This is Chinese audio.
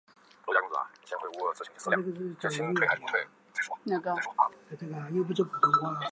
该物种的模式产地在鄂毕河。